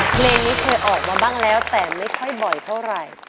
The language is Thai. เพลงนี้เคยออกมาบ้างแล้วแต่ไม่ค่อยบ่อยเท่าไหร่